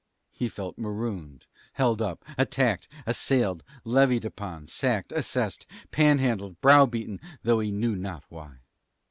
He felt marooned, held up, attacked, assailed, levied upon, sacked, assessed, panhandled, browbeaten, though he knew not why.